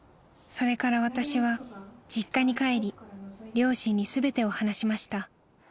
［それから私は実家に帰り両親に全てを話しました］